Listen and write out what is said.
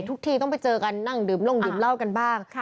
ทุกทีต้องไปเจอกันนั่งดื่มลงดื่มเหล้ากันบ้าง